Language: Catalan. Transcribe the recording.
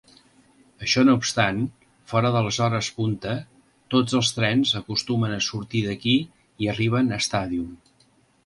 Això no obstant, fora de les hores punta, tots els trens acostumen a sortir d'aquí i arriben a Stadium.